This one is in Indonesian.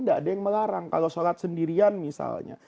tidak ada yang melarang kalau sholat sendirian misalnya